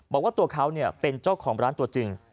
บอกว่าตัวเขาเป็นเจ้าของร้านตัวจริง